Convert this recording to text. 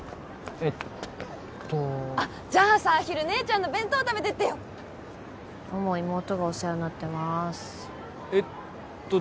えっとじゃあさ昼姉ちゃんの弁当食べてってよどうも妹がお世話になってますえっと